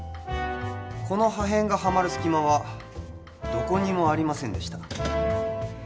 この破片がはまる隙間はどこにもありませんでした